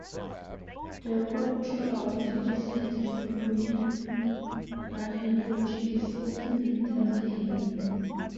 The Crabtree Award of the Society for American Archaeology is also named after him.